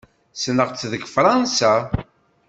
Ssneɣ-t deg Fṛansa.